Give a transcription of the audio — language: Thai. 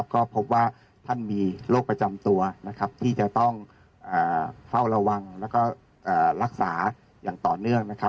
ก็พบว่าท่านมีโรคประจำตัวนะครับที่จะต้องเฝ้าระวังแล้วก็รักษาอย่างต่อเนื่องนะครับ